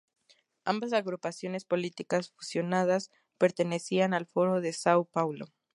Ambas agrupaciones políticas fusionadas pertenecían al Foro de Sao Paulo.